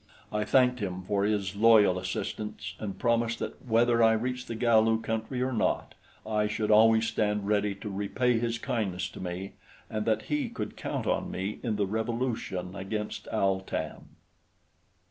I thanked him for his loyal assistance and promised that whether I reached the Galu country or not, I should always stand ready to repay his kindness to me, and that he could count on me in the revolution against Al tan.